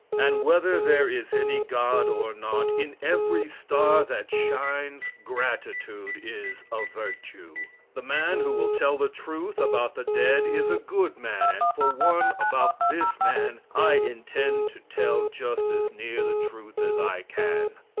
And whether there is any God or not, in every star that shines, gratitude is a virtue. The man who will tell the truth about the dead is a good man, and for one, about this man, I intend to tell just as near the truth as I can.